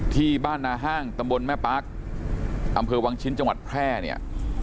ที่บ้านนาห้างตำบลแม่ปาร์คอำเภอวังชิ้นจังหวัดแพร่เนี่ย